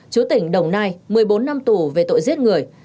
chú tỉnh đồng nai một mươi bốn năm tù về tội giết người